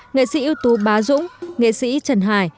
nghệ sĩ ưu tú bá dũng nghệ sĩ trần hải